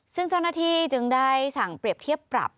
ซึ่งเจ้าหน้าที่จึงได้สั่งเปรียบเทียบปรับ